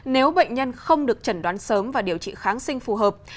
nếu bệnh nhân không được chẩn đoán sớm và điều trị kháng sinh phù hợp